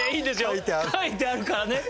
書いてあるからね。